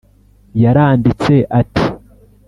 yaranditse ati